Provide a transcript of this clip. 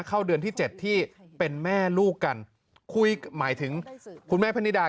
เข้าเดือนที่เจ็ดที่เป็นแม่ลูกกันคุยหมายถึงคุณแม่พนิดา